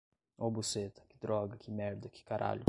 O buceta, que droga, que merda, que caralho